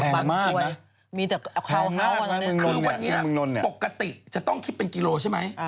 แพงมากน่าละนี่คือวันนี้ปกติจะต้องคิดเป็นกิโลใช่ไหม